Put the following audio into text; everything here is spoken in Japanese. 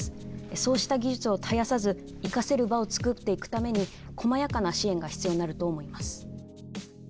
そうした技術を絶やさずいかせる場をつくっていくためにこまやかな支援が必要になると思います。